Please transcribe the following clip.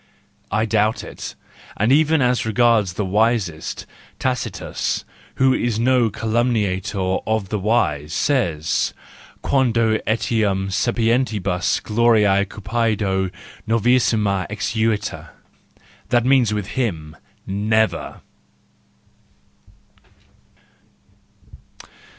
I doubt it: and even as regards the wisest, Tacitus, who is no calumniator of the wise, says: quando etiam sapientibus gloria cupido novissima exuitur —that means with him : never.